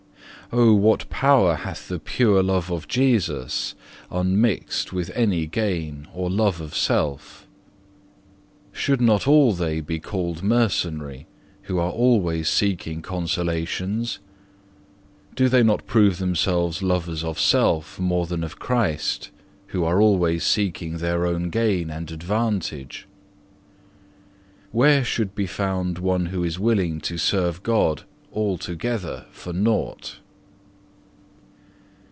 3. Oh what power hath the pure love of Jesus, unmixed with any gain or love of self! Should not all they be called mercenary who are always seeking consolations? Do they not prove themselves lovers of self more than of Christ who are always seeking their own gain and advantage? Where shall be found one who is willing to serve God altogether for nought?